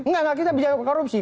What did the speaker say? enggak kita bicara korupsi